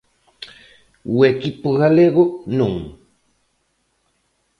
O equipo galego, non.